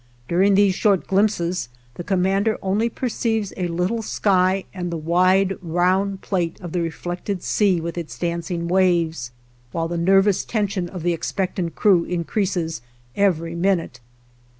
During these short glimpses the commander only perceives a little sky and the wide, round plate of the reflected sea with its dancing waves, while the nervous tension of the expectant crew increases every minute.